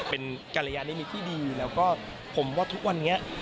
เป็นกรยานิมิตรที่ดีแล้วก็ผมว่าทุกวันนี้